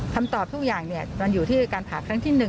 คำตอบทุกอย่างมันอยู่ที่การผ่าครั้งที่๑